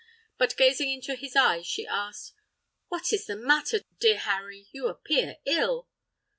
But, gazing into his eyes, she asked: "What is the matter, dear Harry, you appear ill?"